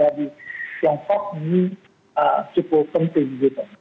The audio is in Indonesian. jadi yang tiongkok ini cukup penting gitu